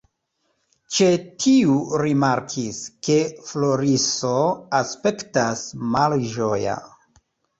Ĉe tiu rimarkis, ke Floriso aspektas malĝoja.